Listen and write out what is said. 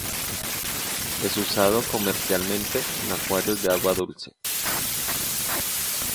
Es usado comercialmente en acuarios de agua dulce.